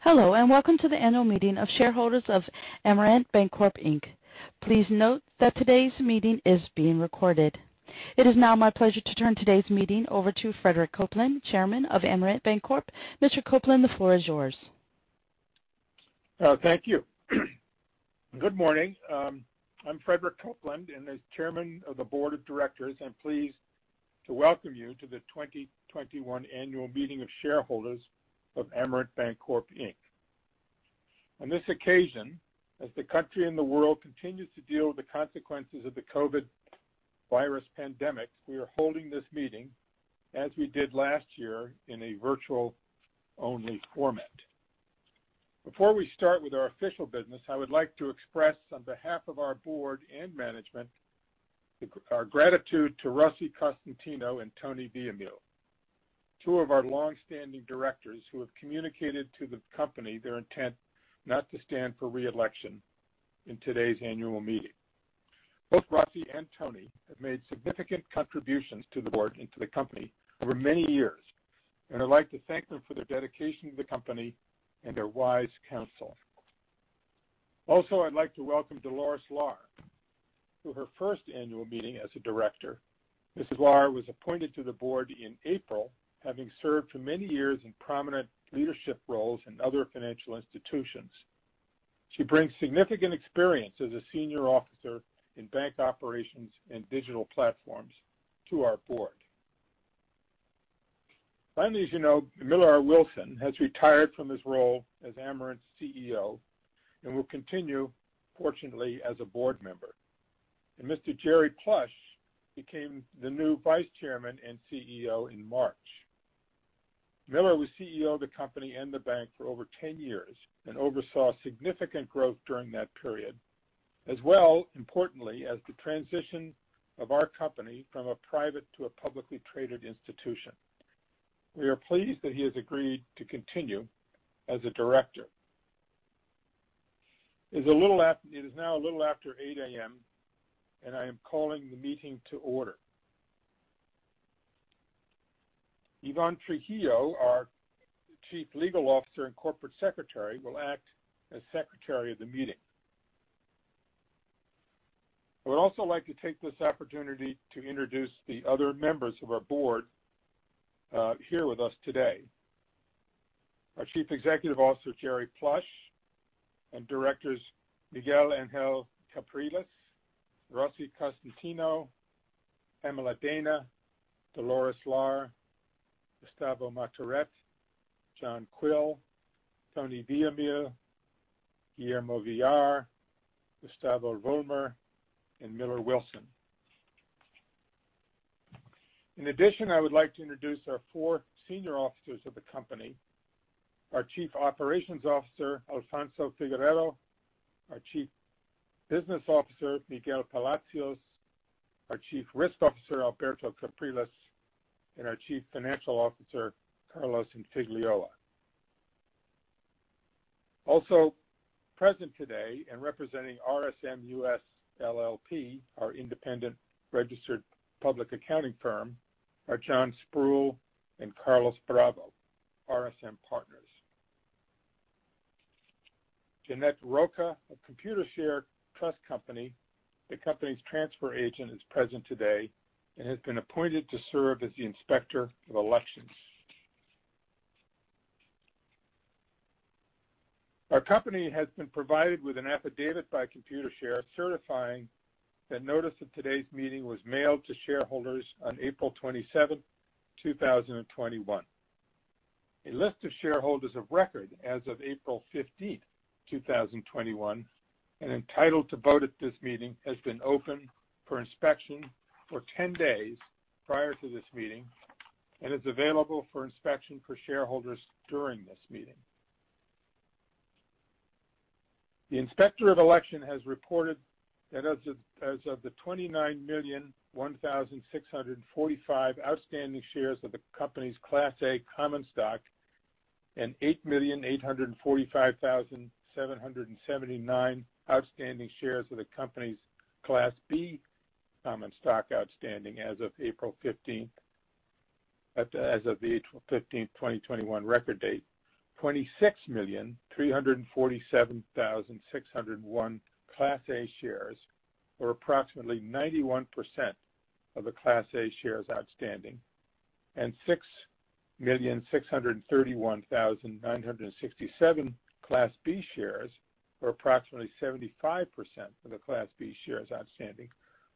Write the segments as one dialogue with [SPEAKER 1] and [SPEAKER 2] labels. [SPEAKER 1] Hello, and welcome to the annual meeting of shareholders of Amerant Bancorp Inc. Please note that today's meeting is being recorded. It is now my pleasure to turn today's meeting over to Frederick Copeland, Chairman of Amerant Bancorp. Mr. Copeland, the floor is yours.
[SPEAKER 2] Thank you. Good morning. I'm Frederick Copeland. As Chairman of the Board of Directors, I'm pleased to welcome you to the 2021 annual meeting of shareholders of Amerant Bancorp Inc. On this occasion, as the country and the world continues to deal with the consequences of the COVID pandemic, we are holding this meeting, as we did last year, in a virtual-only format. Before we start with our official business, I would like to express, on behalf of our board and management, our gratitude to Rosa Constantino and Antonio Villamil, two of our longstanding directors who have communicated to the company their intent not to stand for re-election in today's annual meeting. Both Rosa and Antonio have made significant contributions to the board and to the company over many years, and I'd like to thank them for their dedication to the company and their wise counsel. Also, I'd like to welcome Dolores Lare to her first annual meeting as a director. Ms. Lare was appointed to the board in April, having served for many years in prominent leadership roles in other financial institutions. She brings significant experience as a senior officer in bank operations and digital platforms to our board. Many of you know Millar Wilson has retired from his role as Amerant's CEO and will continue, fortunately, as a board member. Mr. Jerry Plush became the new Vice Chairman and CEO in March. Millar was CEO of the company and the bank for over 10 years and oversaw significant growth during that period as well, importantly, as the transition of our company from a private to a publicly traded institution. We are pleased that he has agreed to continue as a director. It is now a little after 8:00 A.M., and I am calling the meeting to order. Ivan Trujillo, our Chief Legal Officer and Corporate Secretary, will act as secretary of the meeting. I would also like to take this opportunity to introduce the other members of our board here with us today. Our Chief Executive Officer, Jerry Plush, and directors Miguel A. Capriles, Rosa Constantino, Pamella Dana, Dolores Lare, Gustavo Marturet, John Quill, Antonio Villamil, Guillermo Villar, Gustavo Vollmer, and Millar Wilson. In addition, I would like to introduce our four senior officers of the company, our Chief Operations Officer, Alfonso Figueredo, our Chief Business Officer, Miguel Palacios, our Chief Risk Officer, Alberto Capriles, and our Chief Financial Officer, Carlos Iafigliola. Also present today and representing RSM US LLP, our independent registered public accounting firm, are John Sproull and Carlos Bravo, RSM partners. Jeanette Rocha of Computershare Trust Company, the company's transfer agent, is present today and has been appointed to serve as the inspector of elections. Our company has been provided with an affidavit by Computershare certifying that notice of today's meeting was mailed to shareholders on April 27th, 2021. A list of shareholders of record as of April 15th, 2021, and entitled to vote at this meeting has been open for inspection for 10 days prior to this meeting and is available for inspection for shareholders during this meeting. The inspector of election has reported that as of the 29,001,645 outstanding shares of the company's Class A common stock and 8,845,779 outstanding shares of the company's Class B common stock outstanding as of the April 15th, 2021 record date, 26,347,601 Class A shares, or approximately 91% of the Class A shares outstanding, and 6,631,967 Class B shares, or approximately 75% of the Class B shares outstanding,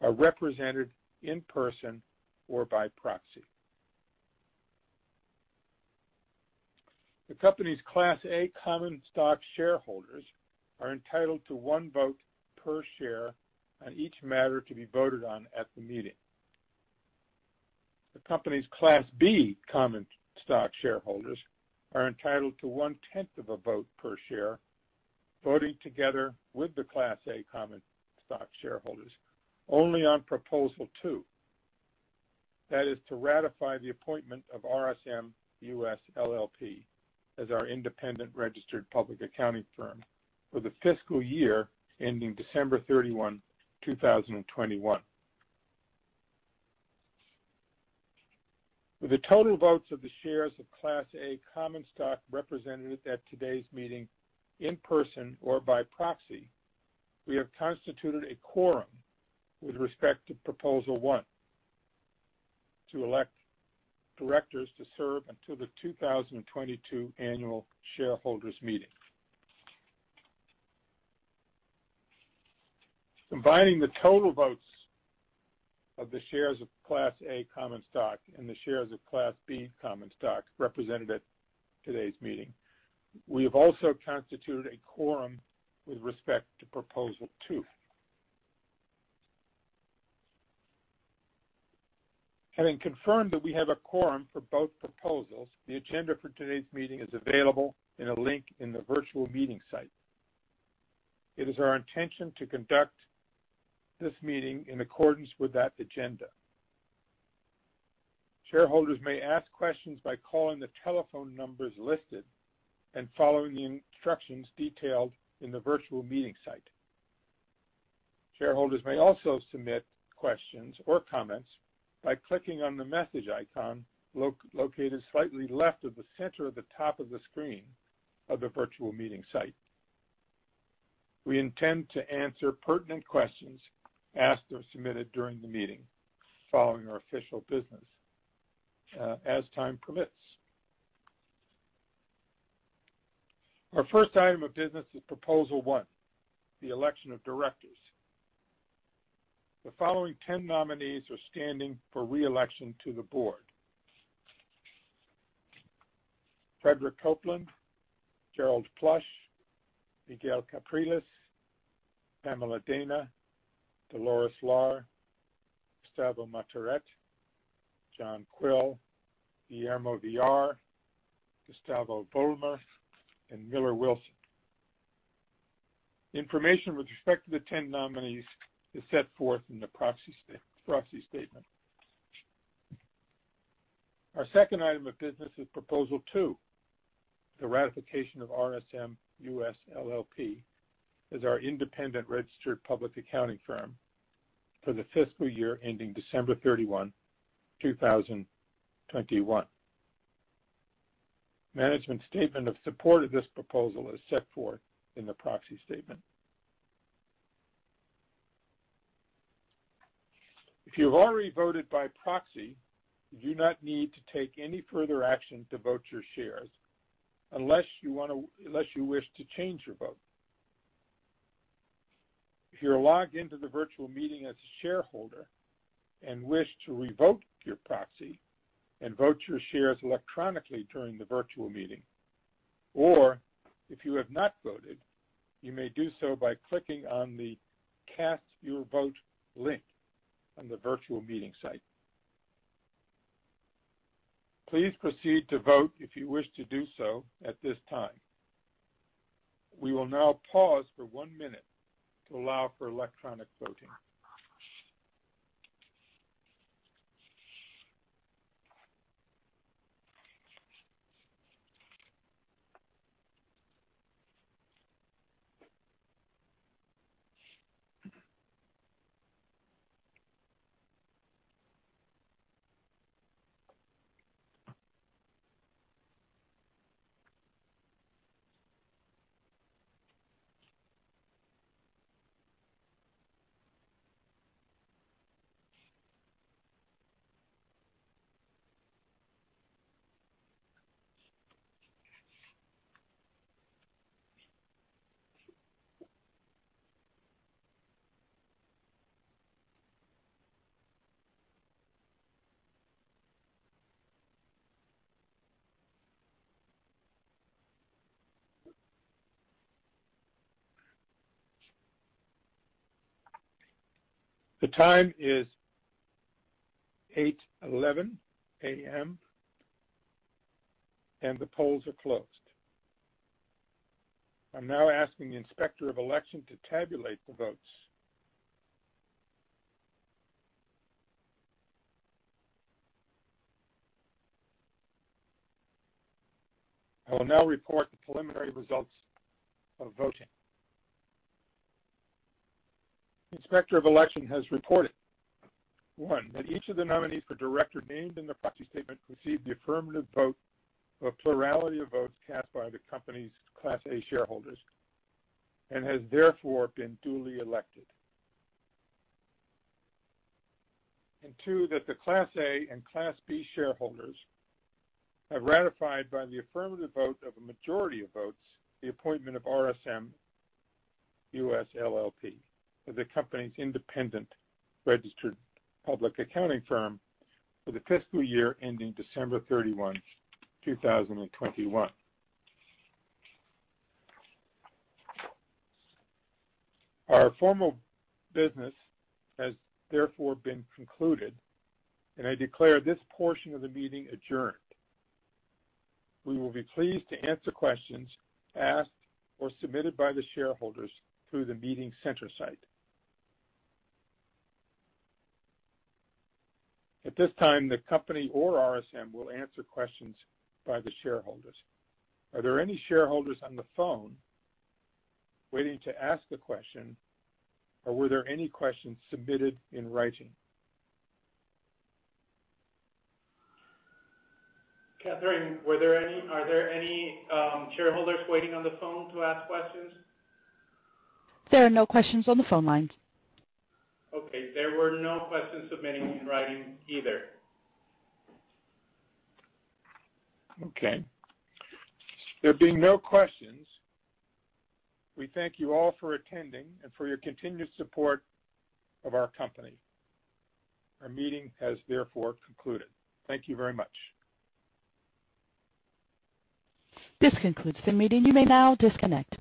[SPEAKER 2] are represented in person or by proxy. The company's Class A common stock shareholders are entitled to one vote per share on each matter to be voted on at the meeting. The company's Class B common stock shareholders are entitled to 1/10 of a vote per share, voting together with the Class A common stock shareholders only on Proposal 2. That is to ratify the appointment of RSM US LLP as our independent registered public accounting firm for the fiscal year ending December 31, 2021. With the total votes of the shares of Class A common stock represented at today's meeting in person or by proxy, we have constituted a quorum with respect to Proposal 1, to elect directors to serve until the 2022 annual shareholders meeting. Combining the total votes of the shares of Class A common stock and the shares of Class B common stock represented at today's meeting, we have also constituted a quorum with respect to Proposal 2. Having confirmed that we have a quorum for both proposals, the agenda for today's meeting is available in a link in the virtual meeting site. It is our intention to conduct this meeting in accordance with that agenda. Shareholders may ask questions by calling the telephone numbers listed and following the instructions detailed in the virtual meeting site. Shareholders may also submit questions or comments by clicking on the message icon located slightly left of the center of the top of the screen of the virtual meeting site. We intend to answer pertinent questions asked or submitted during the meeting following our official business, as time permits. Our first item of business is Proposal One, the election of directors. The following 10 nominees are standing for re-election to the board: Frederick Copeland, Jerry Plush, Miguel Capriles, Pamella Dana, Dolores Lare, Gustavo Marturet, John Quill, Guillermo Villar, Gustavo Vollmer, and Millar Wilson. Information with respect to the 10 nominees is set forth in the proxy statement. Our second item of business is Proposal 2, the ratification of RSM US LLP as our independent registered public accounting firm for the fiscal year ending December 31, 2021. Management's statement of support of this proposal is set forth in the proxy statement. If you've already voted by proxy, you do not need to take any further action to vote your shares unless you wish to change your vote. If you're logged into the virtual meeting as a shareholder and wish to revote your proxy and vote your shares electronically during the virtual meeting, or if you have not voted, you may do so by clicking on the Cast Your Vote link on the virtual meeting site. Please proceed to vote if you wish to do so at this time. We will now pause for 1 minute to allow for electronic voting. The time is 8:11 A.M. and the polls are closed. I'm now asking the Inspector of Election to tabulate the votes. I will now report the preliminary results of voting. Inspector of Election has reported, one, that each of the nominees for director named in the proxy statement received the affirmative vote of a plurality of votes cast by the company's Class A shareholders and has therefore been duly elected. Two, that the Class A and Class B shareholders have ratified by the affirmative vote of a majority of votes the appointment of RSM US LLP as the company's independent registered public accounting firm for the fiscal year ending December 31, 2021. Our formal business has therefore been concluded, and I declare this portion of the meeting adjourned. We will be pleased to answer questions asked or submitted by the shareholders through the meeting center site. At this time, the company or RSM will answer questions by the shareholders. Are there any shareholders on the phone waiting to ask a question, or were there any questions submitted in writing?
[SPEAKER 3] Catherine, are there any shareholders waiting on the phone to ask questions?
[SPEAKER 1] There are no questions on the phone lines.
[SPEAKER 3] Okay. There were no questions submitted in writing either.
[SPEAKER 2] Okay. There being no questions, we thank you all for attending and for your continued support of our company. Our meeting has therefore concluded. Thank you very much.
[SPEAKER 1] This concludes the meeting. You may now disconnect.